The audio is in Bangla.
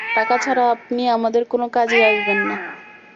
টাকা ছাড়া, আপনি আমাদের কোনো কাজেই আসবেন না।